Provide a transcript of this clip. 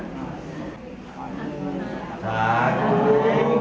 ทุติยังปิตพุทธธาเป็นที่พึ่ง